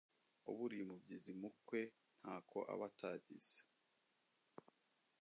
uburiye umubyizi mu kwe ntako aba atagize